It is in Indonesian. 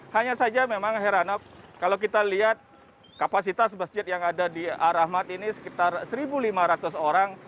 hanya saja memang heranov kalau kita lihat kapasitas masjid yang ada di ar rahmat ini sekitar satu lima ratus orang